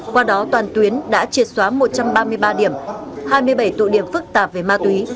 qua đó toàn tuyến đã triệt xóa một trăm ba mươi ba điểm hai mươi bảy tụ điểm phức tạp về ma túy